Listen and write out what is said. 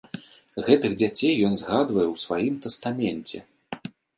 Гэтых дзяцей ён згадвае ў сваім тастаменце.